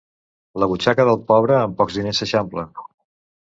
La butxaca del pobre amb pocs diners s'eixampla.